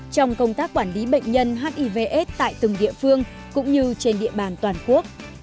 trong công tác quản lý bệnh nhân hivs tại từng địa phương cũng như trên địa bàn toàn quốc